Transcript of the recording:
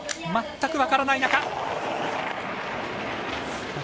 全く分からない中。